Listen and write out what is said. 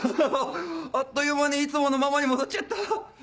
あっという間にいつものママに戻っちゃった。